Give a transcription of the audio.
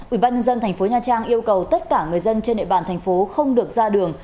ubnd tp nha trang yêu cầu tất cả người dân trên địa bàn thành phố không được ra đường